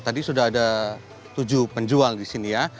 tadi sudah ada tujuh penjual disini ya